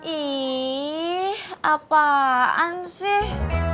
ih apaan sih